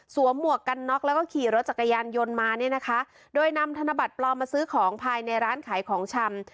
หมวกกันน็อกแล้วก็ขี่รถจักรยานยนต์มาเนี่ยนะคะโดยนำธนบัตรปลอมมาซื้อของภายในร้านขายของชำ